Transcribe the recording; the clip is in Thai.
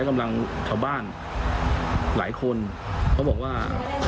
กำลังจ๋าวบ้าน